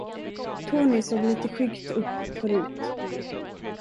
Tony såg litet skyggt upp på Rut.